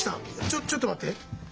ちょちょっと待って。